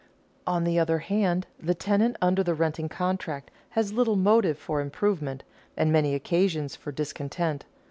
On the other hand, the tenant under the renting contract has little motive for improvement, and many occasions for discontent.